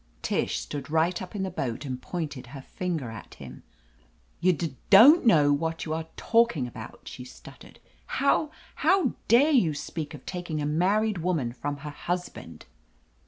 Tish stood right up in the boat and pointed her finger at him. "You d don't know what you are talking about," she stuttered. "How — ^how dare you speak of taking a married woman from her husband